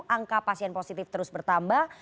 angka pasien positif terus bertambah